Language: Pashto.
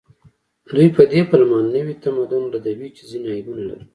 دوی په دې پلمه نوي تمدن ردوي چې ځینې عیبونه لري